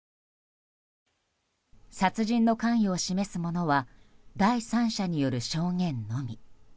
殺人の関与を示すものは第三者による証言のみ。